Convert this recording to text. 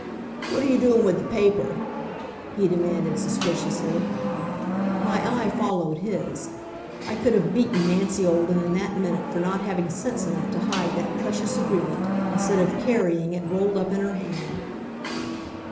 "What're you doing with the paper?" he demanded suspiciously. My eye followed his. I could have beaten Nancy Olden in that minute for not having sense enough to hide that precious agreement, instead of carrying it rolled up in her hand.